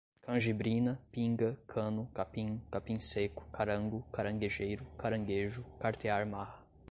canjibrina, pinga, cano, capim, capim sêco, carango, caranguejeiro, caranguejo, cartear marra